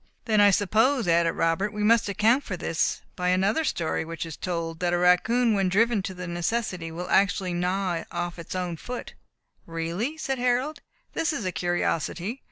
"Then I suppose," added Robert, "we must account for this by another story which is told, that a raccoon, when driven to the necessity, will actually gnaw off its own foot." "Really," said Harold, "this is a curiosity.